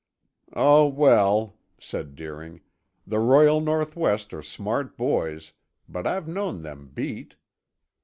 "Oh, well," said Deering. "The Royal North West are smart boys, but I've known them beat.